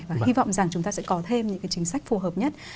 và hy vọng rằng chúng ta sẽ có thêm những cái chính sách phù hợp nhất